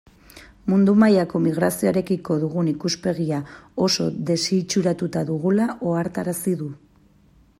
Mundu mailako migrazioarekiko dugun ikuspegia oso desitxuratuta dugula ohartarazi du.